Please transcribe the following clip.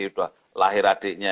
sudah lahir adiknya